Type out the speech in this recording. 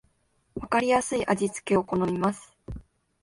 わかりやすい味付けを好みます